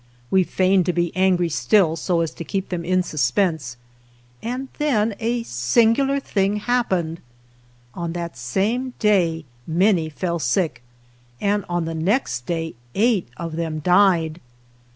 We feigned to be angry still, so as to keep them in suspense, and then a singular thing happened. On that same day many fell sick, and on the next day eight of them died!